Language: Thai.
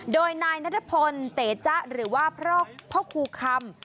โดยนายนัทพลเต๋จ๊ะหรือว่าพ่อครูคำ